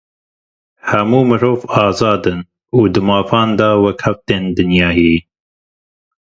Hemû mirov azad in û di mafan de wekhev tên dinyayê.